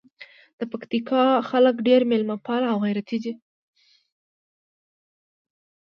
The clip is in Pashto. د پکتیکا خلګ ډېر میلمه پاله او غیرتي دي.